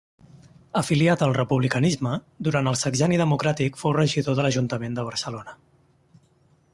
Afiliat al republicanisme, durant el sexenni democràtic fou regidor de l'Ajuntament de Barcelona.